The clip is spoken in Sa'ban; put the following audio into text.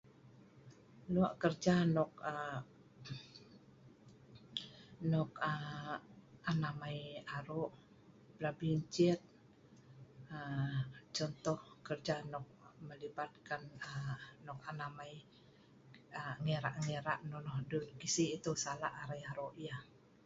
Lok kerja nok an amai aro pelabi ncet .contoh kerja nok melibatkan nok an amai kira-kira nonoh dut, kai si ai salak arai aro yah